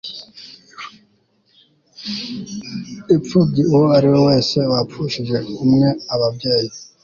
imfubyi uwo ari we wese wapfushije umwe ababeyi